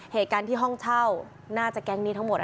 เหตุการณ์ที่ห้องเช่าน่าจะแก๊งนี้ทั้งหมด